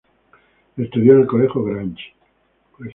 Estudió en el colegio Grange.